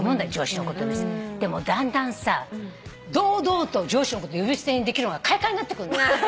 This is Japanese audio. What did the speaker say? でもだんだん堂々と上司のこと呼び捨てにできるのが快感になってくんの。